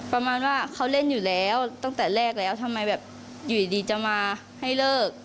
ประมาณว่าเขาเล่นอยู่แล้วตั้งแต่แรกแล้วทำไมแบบอยู่ดีจะมาให้เลิก